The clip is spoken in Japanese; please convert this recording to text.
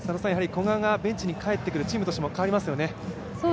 古賀がベンチに帰ってくるとチームとしても変わりますよね。